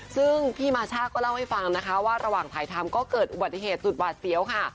ซึ่งพี่มาช่าก็เล่าให้ฟังนะคะว่าระหว่างถ่ายทำก็เกิดอุบัติเหตุสุดหวาดเสียวค่ะ